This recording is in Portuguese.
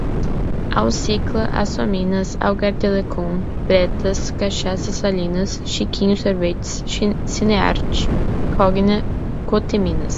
Alcicla, Açominas, Algar Telecom, Bretas, Cachaça Salinas, Chiquinho Sorvetes, Cineart, Cogna, Coteminas